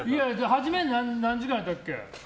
初め、何時間やったっけ？